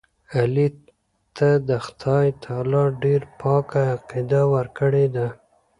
علي ته خدای تعالی ډېره پاکه عقیده ورکړې ده.